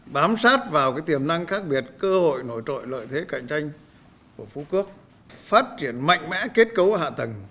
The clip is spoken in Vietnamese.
bám sát vào tiềm năng khác biệt cơ hội nổi trội lợi thế cạnh tranh của phú quốc phát triển mạnh mẽ kết cấu hạ tầng